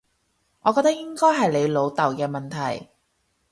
我覺得應該係你老豆嘅問題